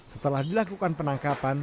setelah dilakukan penangkapan